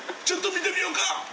ちょっと見てみようか！